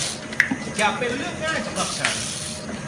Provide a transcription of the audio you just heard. อย่าเป็นเรื่องง่ายสำหรับฉัน!